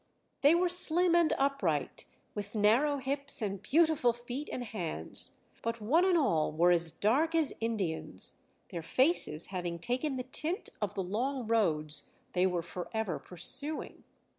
They were slim and upright, with narrow hips and beautiful feet and hands, but one and all were as dark as Indians, their faces having taken the tint of the long roads they were for ever pursuing.